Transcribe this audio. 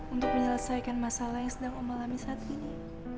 untuk menyelesaikan masalah yang sedang om alami saat ini